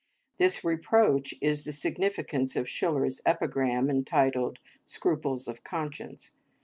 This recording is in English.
This reproach is the significance of Schiller's epigram, entitled "Scruples of Conscience."